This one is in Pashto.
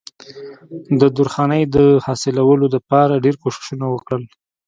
د درخانۍ د حاصلولو د پاره ډېر کوششونه وکړل